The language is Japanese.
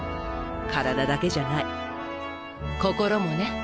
体だけじゃない心もね。